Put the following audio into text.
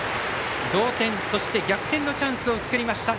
同点、そして逆転のチャンスを作りました